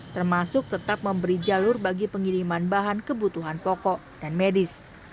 termasuk tetap memberi jalur bagi pengiriman bahan kebutuhan pokok dan medis